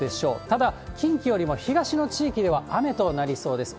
ただ、近畿よりも東の地域では雨となりそうです。